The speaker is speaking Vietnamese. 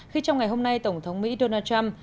khi trong ngày hôm nay tổng thống mỹ donald trump